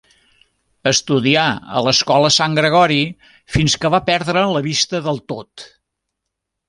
Estudià a l’Escola Sant Gregori fins que va perdre la vista del tot.